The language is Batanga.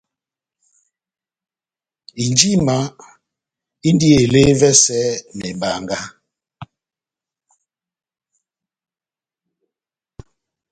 Injima indi ele ́evɛsɛ mebanga.